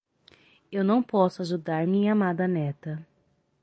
Eu não posso ajudar minha amada neta.